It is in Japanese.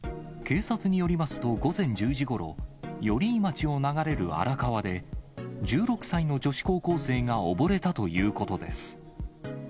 警察によりますと、午前１０時ごろ、寄居町を流れる荒川で、１６歳の女子高校生が溺れたということです。